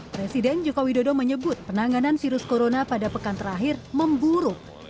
presiden jokowi dodo menyebut penanganan virus corona pada pekan terakhir memburuk